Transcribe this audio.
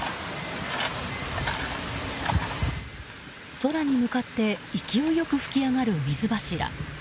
空に向かって勢いよく噴き上がる水柱。